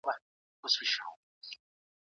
هر څوک د خپلو کړنو مسئول دی.